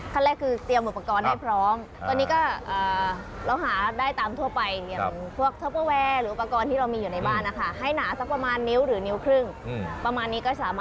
ขั้นแรกคือเตรียมอุปกรณ์ให้พร้อม